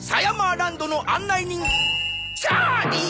チャーリー